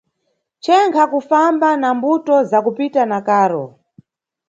Chenkha kufamba na mbuto za kupita na karo.